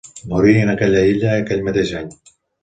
Morí en aquesta illa aquell mateix any.